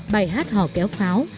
bài hát họ kéo pháo